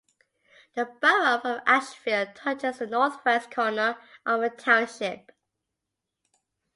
The borough of Ashville touches the northwest corner of the township.